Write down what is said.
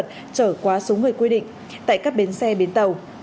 trở quá số người quy định tại các bến xe bến tàu